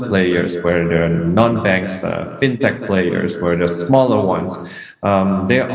apakah mereka adalah pemain non bank apakah mereka adalah pemain fintech apakah mereka adalah pemain yang lebih kecil